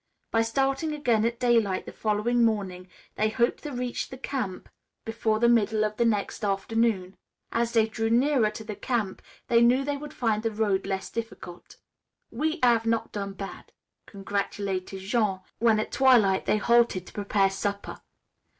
By starting again at daylight the following morning they hoped to reach camp before the middle of the next afternoon. As they drew nearer to the camp they knew they would find the road less difficult. "We hav' not done bad," congratulated Jean when, at twilight, they halted to prepare supper.